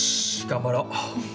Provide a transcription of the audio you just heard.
頑張ろう。